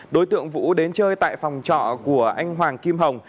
đối tượng vũ đến chơi tại phòng trọ của anh hoàng kim hồng